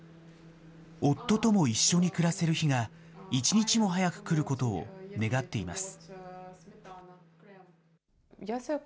夫とも一緒に暮らせる日が、一日も早く来ることを願っています。